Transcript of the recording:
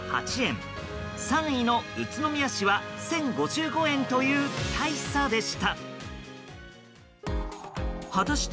３位の宇都宮市は１０５５円という大差でした。